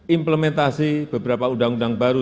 implementasi beberapa undang undang baru